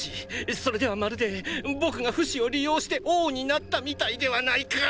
それではまるで僕がフシを利用して王になったみたいではないか！